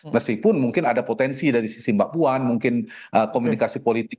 meskipun mungkin ada potensi dari sisi mbak puan mungkin komunikasi politik